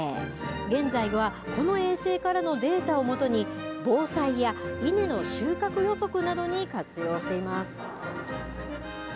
現在はこの衛星からのデータを基に防災や稲の収穫予測などに活用しています。